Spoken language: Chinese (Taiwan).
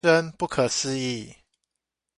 真不可思議